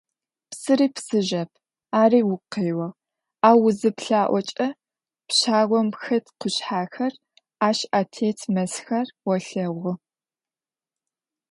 Псыри псыжьэп, ари угу къео, ау узыплъаӏокӏэ, пщагъом хэт къушъхьэхэр, ащ атет мэзхэр олъэгъу.